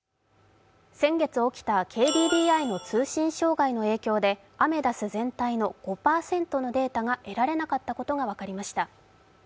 先月起きたＫＤＤＩの通信障害の影響でアメダス全体の５％のデータが得られなかったことが分かりました。